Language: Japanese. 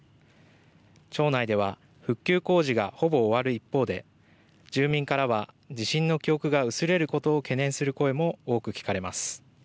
町内では復旧工事がほぼ終わる一方で住民からは地震の記憶が薄れることを懸念する声も多く聞かれます。